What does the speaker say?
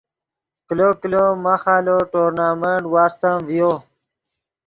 کلو کلو ماخ آلو ٹورنامنٹ واستم ڤیو